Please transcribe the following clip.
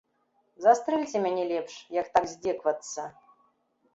Застрэльце мяне лепш, як так здзекавацца!